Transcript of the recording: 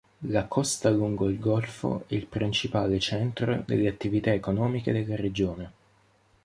La costa lungo il golfo è il principale centro delle attività economiche della regione.